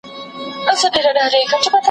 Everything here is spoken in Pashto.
پښتو د موزیلا په مرسته ډیجیټل کېدای شي.